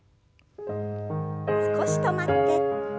少し止まって。